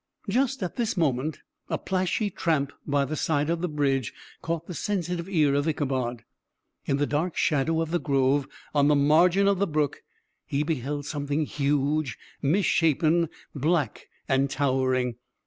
Just at this moment a plashy tramp by the side of the bridge caught the sensitive ear of Ichabod. In the dark shadow of the grove, on the margin of the brook, he beheld something huge, misshapen, black and towering.